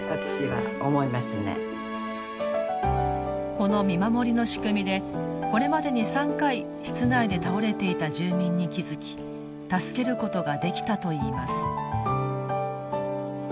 この見守りの仕組みでこれまでに３回室内で倒れていた住民に気付き助けることができたといいます。